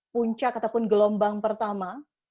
puncak ataupun gelombang pertama